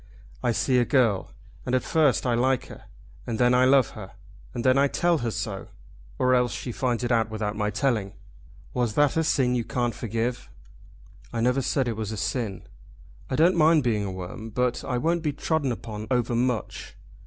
I see a girl, and first I like her, and then I love her, and then I tell her so; or else she finds it out without my telling. Was that a sin you can't forgive?" "I never said it was a sin." "I don't mind being a worm, but I won't be trodden upon overmuch.